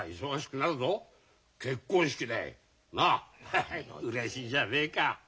ハハうれしいじゃねえか。